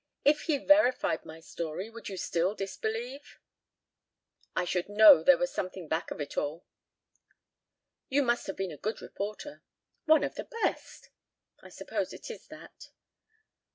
If he verified my story, would you still disbelieve?" "I should know there was something back of it all." "You must have been a good reporter." "One of the best." "I suppose it is that."